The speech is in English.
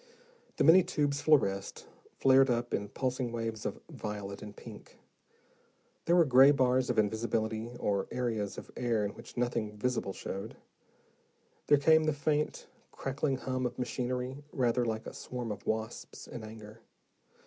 The many tubes fluoresced, flared up in pulsing waves of violet and pink: there were gray bars of invisibility or areas of air in which nothing visible showed. There came the faint, crackling hum of machinery rather like a swarm of wasps in anger.